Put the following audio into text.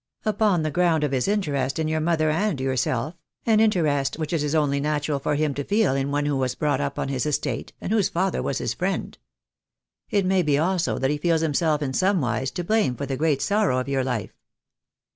"Upon the ground of his interest in your mother and yourself — an interest which it is only natural for him to feel in one who was brought up on his estate, and whose father was his friend. It may be also that he feels him self in some wise to blame for the great sorrow of your life."